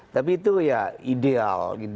tapi itu ya ideal